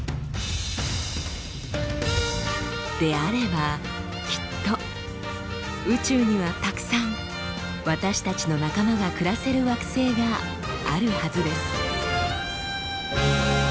であればきっと宇宙にはたくさん私たちの仲間が暮らせる惑星があるはずです。